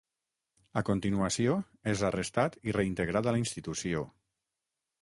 A continuació, és arrestat i reintegrat a la institució.